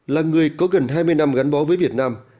là người có gần hai mươi năm gắn bó với việt nam